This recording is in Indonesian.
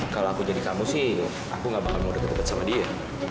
kalau aku jadi kamu sih aku gak bakal mau deket deket sama dia